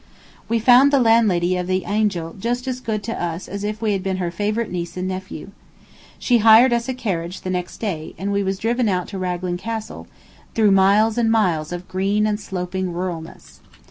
We found the landlady of the Angel just as good to us as if we had been her favorite niece and nephew. She hired us a carriage the next day, and we was driven out to Raglan Castle, through miles and miles of green and sloping ruralness.